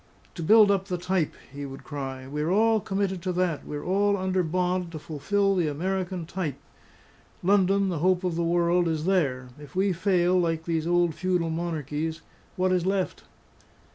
"To build up the type!" he would cry. "We're all committed to that; we're all under bond to fulfil the American Type! Loudon, the hope of the world is there. If we fail, like these old feudal monarchies, what is left?"